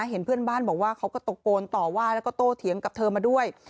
เห็นเพื่อนบ้านบอกว่าเขาก็ตะโกนต่อว่าแล้วก็โตเถียงกับเธอมาด้วย